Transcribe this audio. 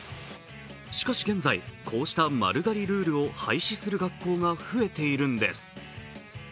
しかし現在、こうした丸刈りルールを廃止する学校が増えているんです。